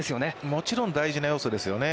もちろん大事な要素ですよね。